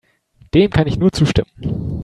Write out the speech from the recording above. Dem kann ich nur zustimmen.